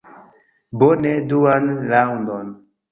Bone, duan raŭndon!